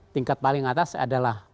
tingkat paling atas adalah